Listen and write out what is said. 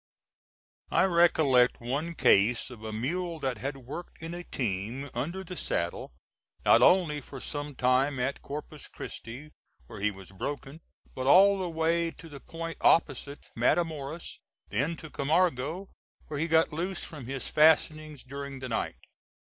I recollect one case of a mule that had worked in a team under the saddle, not only for some time at Corpus Christi, where he was broken, but all the way to the point opposite Matamoras, then to Camargo, where he got loose from his fastenings during the night.